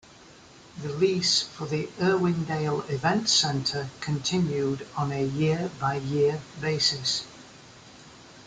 The lease for the Irwindale Event Center continued on a year-by-year basis.